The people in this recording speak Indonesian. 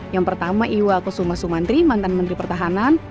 yang pertama iwa kusuma sumantri mantan menteri pertahanan